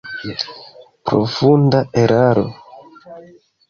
Profunda eraro!